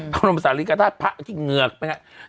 พระบรมศาลิริกษาธาตรพระอาทิตย์เหงือกไปไง